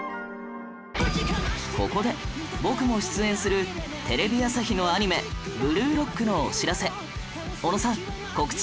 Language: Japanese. ここで僕も出演するテレビ朝日のアニメ『ブルーロック』のお知らせ